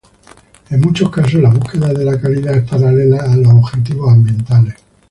En muchos casos la búsqueda de la calidad es paralela a los objetivos ambientales.